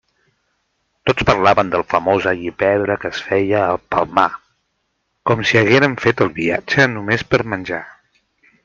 Tots parlaven del famós allipebre que es feia al Palmar, com si hagueren fet el viatge només per a menjar.